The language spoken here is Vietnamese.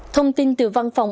thông tin từ văn phòng